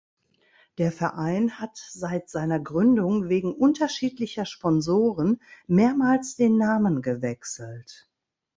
Der Verein hat seit seiner Gründung wegen unterschiedlicher Sponsoren mehrmals den Namen gewechselt.